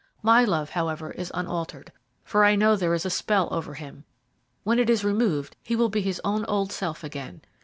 My love, however, is unaltered, for I know there is a spell over him. When it is removed he will be his own old self again.